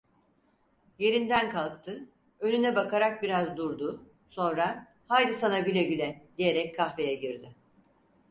Yerinden kalktı, önüne bakarak biraz durdu, sonra: "Haydi sana güle güle!" diyerek kahveye girdi.